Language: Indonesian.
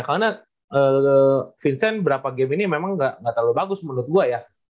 karena vincent beberapa game ini memang gak terlalu bagus menurut gue ya